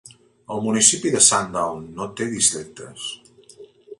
El municipi de Sundown no té districtes.